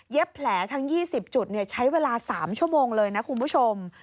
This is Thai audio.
แผลทั้ง๒๐จุดใช้เวลา๓ชั่วโมงเลยนะคุณผู้ชม